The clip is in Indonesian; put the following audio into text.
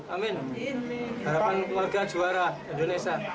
harapan keluarga juara indonesia